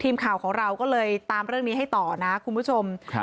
ทีมข่าวของเราก็เลยตามเรื่องนี้ให้ต่อนะคุณผู้ชมครับ